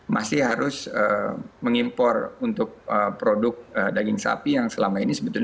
masih harus mengimpor untuk produk daging sapi yang selama ini sebetulnya